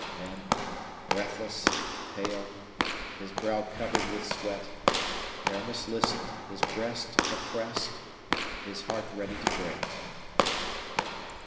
Then, breathless, pale, his brow covered with sweat, Aramis listened, his breast oppressed, his heart ready to break.